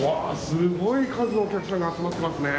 すごい数のお客さんが集まってますね。